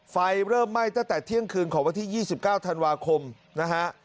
ไฟเริ่มไหม้ตั้งแต่เที่ยงคืนของวันที่๒๙ธันวาคมนะฮะ